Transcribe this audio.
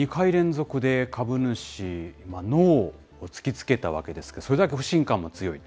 ２回連続で株主はノーを突きつけたわけですけれども、それだけ不信感も強い。